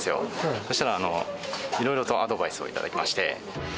そしたらいろいろとアドバイスを頂きまして。